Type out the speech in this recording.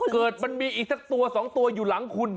เกิดมันมีอีกสักตัว๒ตัวอยู่หลังคุณ